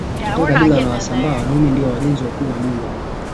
Katika kabila la wasambaa wanaume ndio wajenzi wakuu wa nyumba